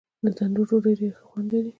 د تندور ډوډۍ ډېر ښه خوند لري.